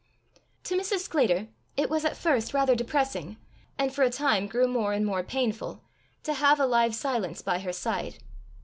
To Mrs. Sclater, it was at first rather depressing, and for a time grew more and more painful, to have a live silence by her side.